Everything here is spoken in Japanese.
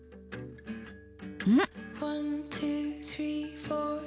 うん！